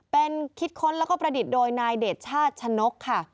เป็นคิดค้นแล้วก็ประดิษฐ์โดยนายเดชชาติชะนกค่ะ